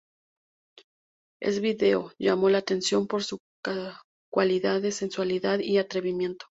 El video llamó la atención por su cualidad de sensualidad y atrevimiento.